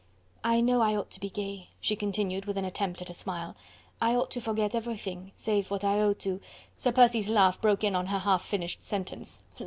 "I know I ought to be gay," she continued with an attempt at a smile, "I ought to forget everything, save what I owe to..." Sir Percy's laugh broke in on her half finished sentence.